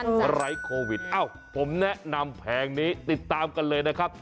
ไร้โควิดเอ้าผมแนะนำแผงนี้ติดตามกันเลยนะครับ